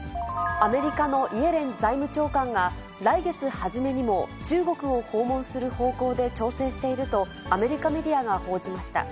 アメリカのイエレン財務長官が、来月初めにも中国を訪問する方向で調整していると、アメリカメディアが報じました。